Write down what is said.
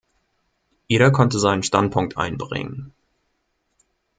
Jeder konnte seinen Standpunkt einbringen.